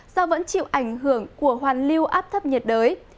do vẫn chịu ảnh hưởng của hoàn lưu áp thấp nhiệt đới